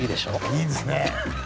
いいですねぇ。